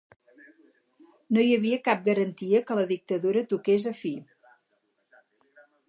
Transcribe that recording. No hi havia cap garantia que la dictadura toqués a fi.